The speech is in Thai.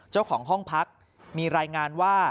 เจ้าของห้องพักมีรายงานว่า